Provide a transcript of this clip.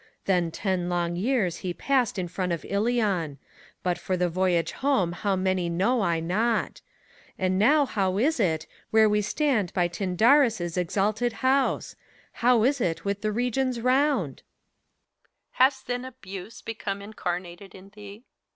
Then ten long years he passed in front of Ilion ; But for the voyage home how many know I not. And now how is it, where we stand by Tyndarus' Exalted House T Hov is it with the regions round t HELENA. Has then Abuse become incarnated in thee.